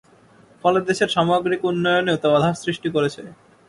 ফলে দেশের সামগ্রিক উন্নয়নেও তা বাধার সৃষ্টি করছে।